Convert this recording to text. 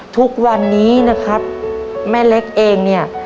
ทุกวันนี้นะครับแม่เล็กเองเนี่ย